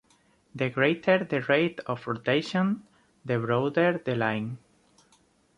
The greater the rate of rotation, the broader the line.